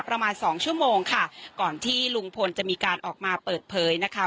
ประมาณสองชั่วโมงค่ะก่อนที่ลุงพลจะมีการออกมาเปิดเผยนะคะ